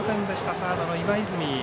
サードの今泉。